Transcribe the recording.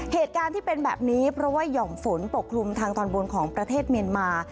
เหตุการณ์ที่เป็นแบบนี้เพราะว่าห่อมฝนปกคลุมทางตอนบนของประเทศเมียนมา